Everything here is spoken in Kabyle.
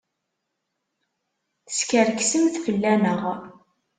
Teskerksemt fell-aneɣ!